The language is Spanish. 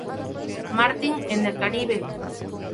Maarten, en el Caribe.